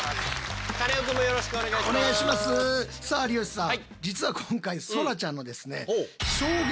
さあ有吉さん